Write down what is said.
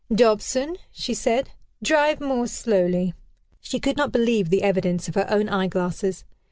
"Dobson," she said, "drive more slowly." She could not believe the evidence of her own eyeglasses.